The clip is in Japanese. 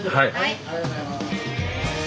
ありがとうございます。